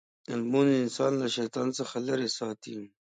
لمونځ انسان له شیطان څخه لرې ساتي.